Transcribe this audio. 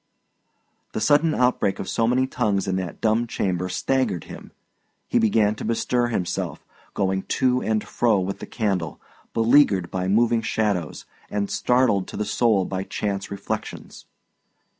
The sudden outbreak of so many tongues in that dumb chamber staggered him. He began to bestir himself, going to and fro with the candle, beleaguered by moving shadows, and startled to the soul by chance reflections.